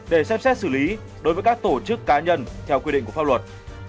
để xem xét xử lý đối với các tổ chức cá nhân theo quy định của pháp luật